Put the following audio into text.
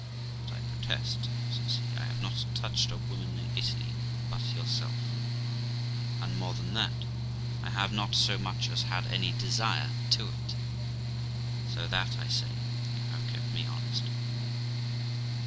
But I protest', says he, 'I have not touched a woman in Italy but yourself; and, more than that, I have not so much as had any desire to it. So that, I say, you have kept me honest.'